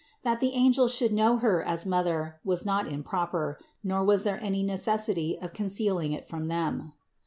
That the angels should know Her as Mother, was not improper, nor was there any necessity of concealing it from them.